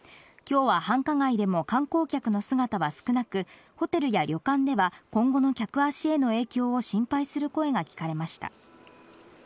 きょうは繁華街でも観光客の姿は少なく、ホテルや旅館では、今後の客足への影響を心配する声が聞かれました。